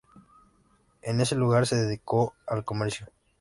En ese lugar se dedicó al comercio.